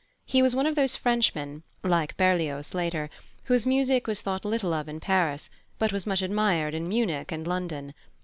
He was one of those Frenchmen, like Berlioz later, whose music was thought little of in Paris but was much admired in Munich and London.